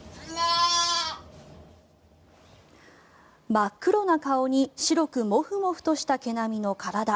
真っ黒な顔に白くモフモフとした毛並みの体。